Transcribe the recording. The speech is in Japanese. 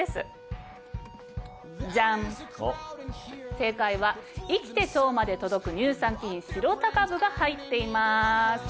正解は生きて腸までとどく乳酸菌シロタ株が入っています。